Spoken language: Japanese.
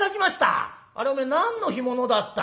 「あれお前何の干物だった？」。